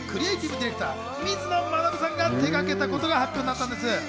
ディレクター、水野学さんが手がけたことが発表になったんです。